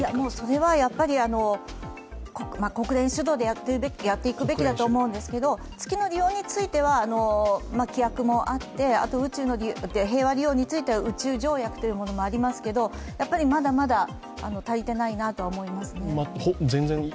それは国連主導でやっていくべきだと思うんですけれども、月の利用については規約もあって、平和利用については宇宙条約というものもありますけど、まだまだ足りていないなとは思いますね。